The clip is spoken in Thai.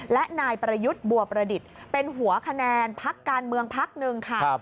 และนายประยุทธ์บัวประดิษฐ์เป็นหัวคะแนนพักการเมืองพักหนึ่งค่ะ